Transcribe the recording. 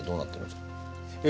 え